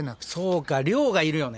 そうか量がいるよね。